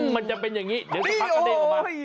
มันจะเป็นอย่างนี้เดี๋ยวจะป๊ากขาดเหน่อยออกมา